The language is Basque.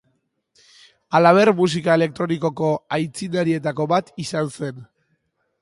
Halaber, musika elektronikoko aitzindarietako bat izan zen.